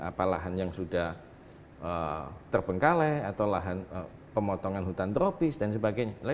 apa lahan yang sudah terbengkalai atau lahan pemotongan hutan tropis dan sebagainya